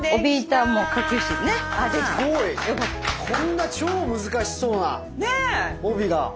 こんな超難しそうな帯が。